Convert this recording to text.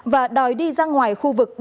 và đòi đi ra ngoài khu vực